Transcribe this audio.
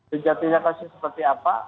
dijatinya kasus seperti apa